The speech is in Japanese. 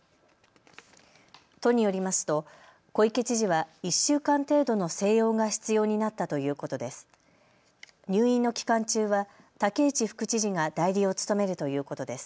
都によりますと小池知事は１週間程度の静養が必要になったということです。